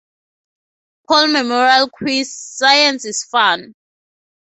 Paul Memorial Quiz, Science is Fun!